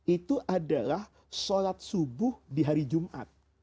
itu adalah sholat subuh di hari jumat